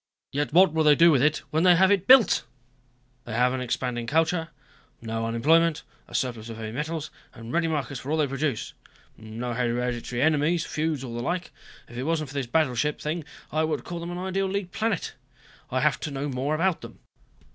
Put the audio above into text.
Yet what will they do with it when they have it built? They have an expanding culture, no unemployment, a surplus of heavy metals and ready markets for all they produce. No hereditary enemies, feuds or the like. If it wasn't for this battleship thing, I would call them an ideal League planet. I have to know more about them."